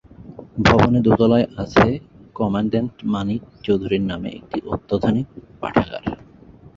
ভবনে দোতলায় আছে কমান্ড্যান্ট মানিক চৌধুরীর নামে একটি অত্যাধুনিক পাঠাগার।